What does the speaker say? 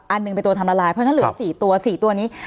อันหนึ่งเป็นตัวทำละลายเพราะฉะนั้นเหลืออีก๔ตัว๔ตัวนี้